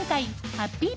ハッピー